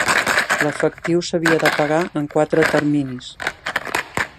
L'efectiu s'havia de pagar en quatre terminis.